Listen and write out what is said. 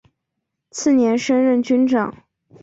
次年升任军长。